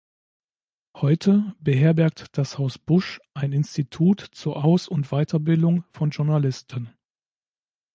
Heute beherbergt das Haus Busch ein Institut zur Aus- und Weiterbildung von Journalisten.